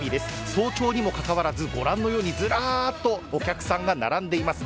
早朝にもかかわらずご覧のようにずらっとお客さんが並んでいます。